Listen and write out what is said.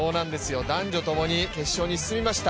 男女ともに決勝に進みました。